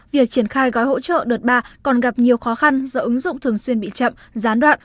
việc triển khai gói hỗ trợ đợt ba còn gặp nhiều khó khăn do ứng dụng thường xuyên bị chậm gián đoạn